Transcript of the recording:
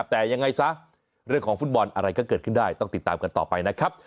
แต่ยังไงซะเรื่องของฟุตบอลอะไรก็เกิดขึ้นได้ต้องติดตามกันต่อไปนะครับ